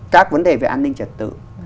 các vấn đề về an ninh trật tự